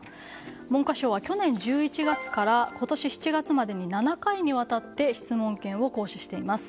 文科省は去年１１月から今年７月までに７回に質問権を行使しています。